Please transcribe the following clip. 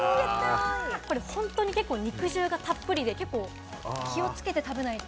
これ本当に結構、肉汁がたっぷりで結構、気をつけて食べないと。